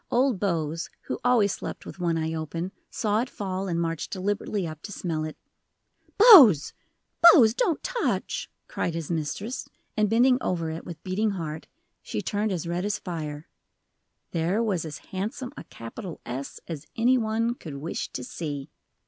Old Bose, who always slept with one eye open, saw it fall, and marched deliberately up to smell it. "Bose Bose don't touch!" cried his mistress, and bending over it with beating heart, she turned as red as fire. There was as handsome a capital S as any one could wish to see.